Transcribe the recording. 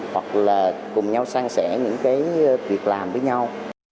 hoặc là cùng nhau sang sẻ những cái việc làm với nhau